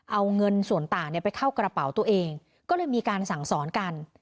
เอาเงินส่วนต่างไปเข้ากระเป๋าตัวเองก็เลยมีการสั่งสอนกัน